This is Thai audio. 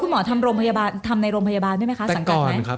คุณหมอทำโรงพยาบาลทำในโรงพยาบาลได้มั้ยคะสังคัญว่า